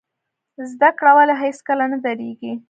زده کړه ولې هیڅکله نه دریږي؟